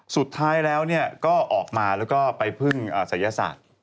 สุดท้ายแล้วก็ออกมาแล้วก็ไปพึ่งศัยศาสตร์